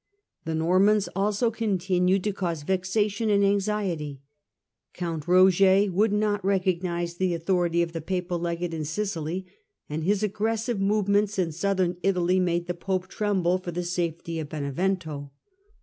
The Normans also continued to cause vexation and TJrban'8 auxicty. Couut Rogor would not recognise wHhaJger the authority of the papal legate in Sicily, 1098 ^' and his aggressive movements in Southern Italy made the pope tremble for the safety of Benevento.